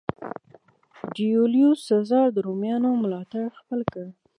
جیولیوس سزار د رومیانو ملاتړ خپل کړ.